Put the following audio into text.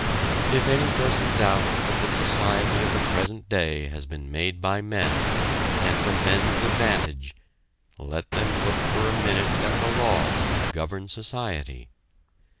If any person doubts that the society of the present day has been made by men, and for men's advantage, let them look for a minute at the laws which govern society.